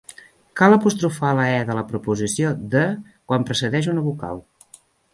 Cal apostrofar la e de la preposició de quan precedeix una vocal.